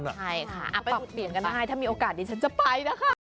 ใช่ค่ะไปจุดเปลี่ยนกันได้ถ้ามีโอกาสดิฉันจะไปนะคะ